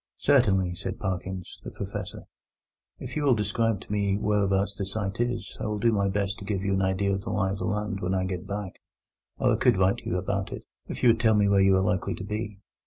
"Certainly," said Parkins, the Professor: "if you will describe to me whereabouts the site is, I will do my best to give you an idea of the lie of the land when I get back; or I could write to you about it, if you would tell me where you are likely to be."